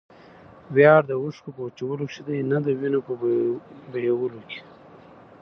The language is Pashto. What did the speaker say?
ویاړ د اوښکو په وچولو کښي دئ؛ نه دوینو په بهېودلو کښي.